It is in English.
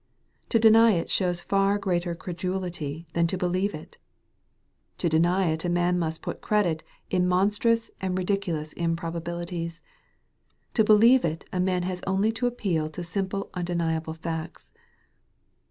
To deny it shows far greater credulity than to believe it. To deny it a man must put credit in monstrous and ridiculous improbabilities. To believe it a man has only to appeal to simple undeniable facts.